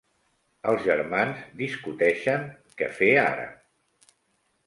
Els germans discuteixen què fer ara.